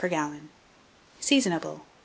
per gallon. Seasonable.